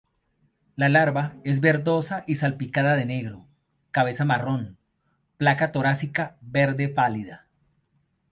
La larva es verdosa y salpicada de negro; cabeza marrón; placa torácica verde pálida.